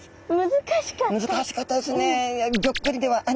難しかったですね。